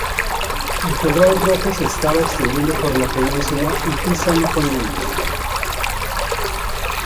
El color rojo se estaba extendiendo por la península, y Titsa no fue menos.